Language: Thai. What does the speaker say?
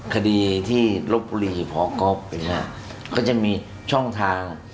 คดีที่ลบบุรีพก๊อบเนี้ยฮะก็จะมีช่องทาง